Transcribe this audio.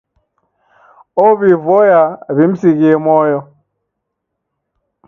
Ow'ivoya wimsighie moyo.